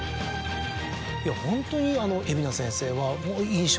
いやホントにあの海老名先生は。